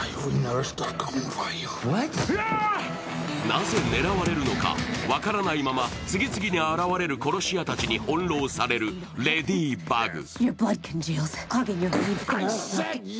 なぜ狙われるのか、分からないまま次々に現れる殺し屋たちにほんろうされるレディバグ。